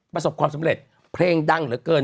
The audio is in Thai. ประสบความสำเร็จเพลงดังเหลือเกิน